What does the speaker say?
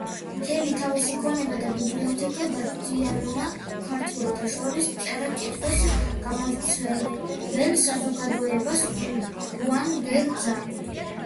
მთელი თავისი ქონება და ბიბლიოთეკა დადიანმა ქართველთა შორის წერა-კითხვის გამავრცელებელ საზოგადოებას უანდერძა.